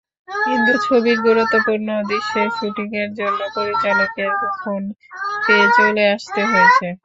কিন্তু ছবির গুরুত্বপূর্ণ দৃশ্যের শুটিংয়ের জন্য পরিচালকের ফোন পেয়ে চলে আসতে হয়েছে।